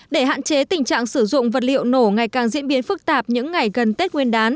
để hạn chế tình trạng sử dụng vật liệu nổ ngày càng diễn biến phức tạp những ngày gần tết nguyên đán